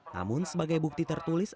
namun sebagai bukti tertulis